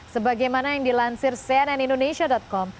sebagai mana yang dilansir cnn indonesia com